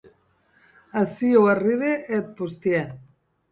Aciu arribe eth postièr.